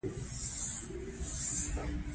د حشمتي خور د مينې خور ته خپله کيسه پيل کړه.